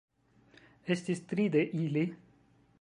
Estis tri de ili.